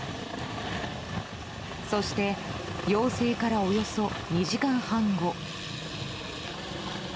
そして、要請からおよそ２時間半後。